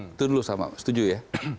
itu dulu sama setuju ya